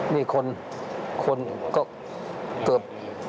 มีคนก็เกือบ